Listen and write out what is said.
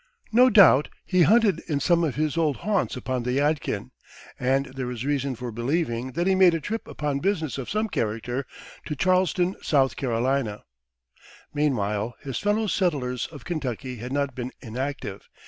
No doubt he hunted in some of his old haunts upon the Yadkin; and there is reason for believing that he made a trip upon business of some character to Charleston, S.C. Meanwhile, his fellow settlers of Kentucky had not been inactive.